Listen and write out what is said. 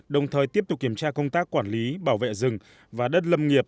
đồng thời tiếp tục kiểm tra công tác quản lý bảo vệ rừng và đất lâm nghiệp